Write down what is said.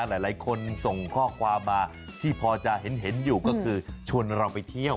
หลายคนส่งข้อความมาที่พอจะเห็นอยู่ก็คือชวนเราไปเที่ยว